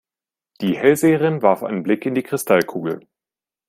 Die Hellseherin warf einen Blick in die Kristallkugel.